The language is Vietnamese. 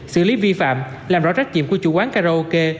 xử lý vi phạm làm rõ trách nhiệm của chủ quán karaoke